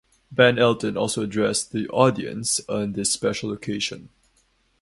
Ben Elton also addressed the audience on this special occasion.